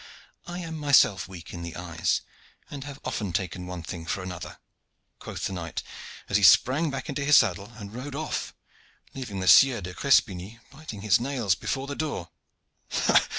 'I am myself weak in the eyes, and have often taken one thing for another,' quoth the knight, as he sprang back into his saddle and rode off, leaving the Sieur de Crespigny biting his nails before the door.